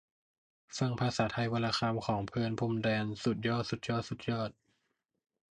ฟัง 'ภาษาไทยวันละคำ' ของ เพลิน พรหมแดน สุดยอด ! สุดยอด ! สุดยอด !